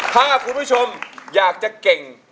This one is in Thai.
ถ้าคุณผู้ชมอยากจะเก่ง